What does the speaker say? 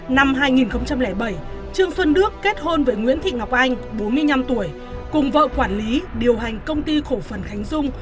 năm hai nghìn bảy trương xuân đức kết hôn với nguyễn thị ngọc anh bốn mươi năm tuổi cùng vợ quản lý điều hành công ty cổ phần khánh dung